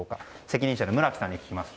責任者の村木さんに聞きます。